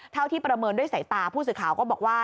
ที่ประเมินด้วยสายตาผู้สื่อข่าวก็บอกว่า